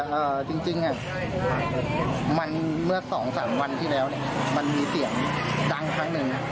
และจริงมันเมื่อ๒๓วันที่แล้วมันมีเสียงดังครั้งหนึ่ง